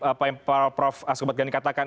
apa yang prof askobat gani katakan